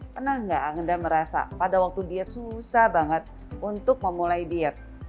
pernah nggak anda merasa pada waktu diet susah banget untuk memulai diet